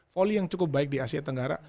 volley yang cukup baik di asia tenggara